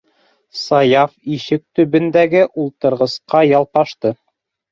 - Саяф ишек төбөндәге ултырғысҡа ялпашты.